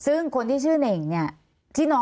ซึ่งคนที่ชื่อเน่งเนี่ย